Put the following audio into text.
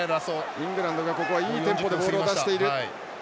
イングランドがいいテンポでボールを出している。